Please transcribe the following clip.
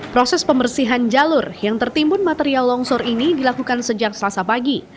proses pembersihan jalur yang tertimbun material longsor ini dilakukan sejak selasa pagi